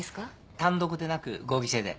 単独でなく合議制で。